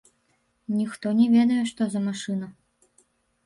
Ніхто не ведае, што за машына.